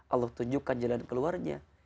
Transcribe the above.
allah tunjukkan jalan keluarnya